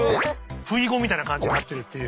ふいごみたいな感じになってるっていう。